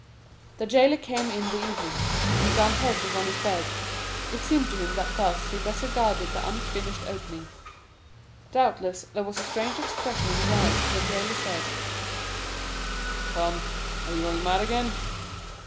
The jailer came in the evening. Dantès was on his bed. It seemed to him that thus he better guarded the unfinished opening. Doubtless there was a strange expression in his eyes, for the jailer said, "Come, are you going mad again?"